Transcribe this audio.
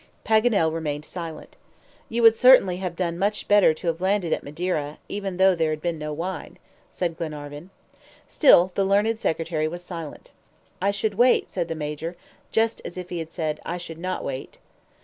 Paganel remained silent. "You would certainly have done much better to have landed at Madeira, even though there had been no wine," said Glenarvan. Still the learned secretary was silent. "I should wait," said the Major, just as if he had said, "I should not wait."